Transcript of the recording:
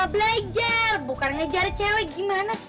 belajar bukan ngejar cewek gimana